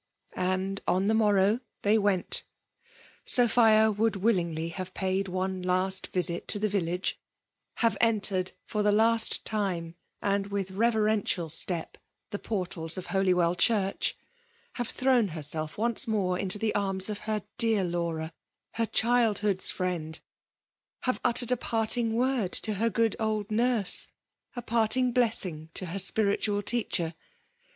And on the morrow they went. Sophia wonld willingly have paid one laat visit to the village — ^have entered for the last time, and xrith reverential stcp> the portals of Holywell church — ^have thrown hersdfcmce more into the arms of her dear Laura> her childhood's friend — ^have uttered a parting word to her good old nurse — a parting blessing to her spiritual teacher.